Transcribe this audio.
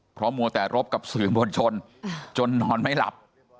เพราะมัวแต่รบกับสื่อมวลชนจนนอนไม่หลับ